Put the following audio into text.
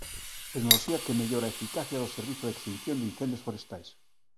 Tecnoloxía que mellora a eficacia do servizo de extinción de incendios forestais.